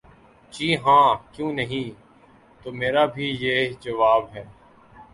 ''جی ہاں، کیوں نہیں‘‘ ''تو میرا بھی یہی جواب ہے۔